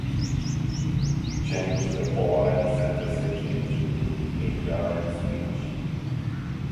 Change the following sentences into Indirect Speech.